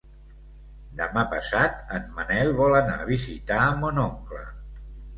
Demà passat en Manel vol anar a visitar mon oncle.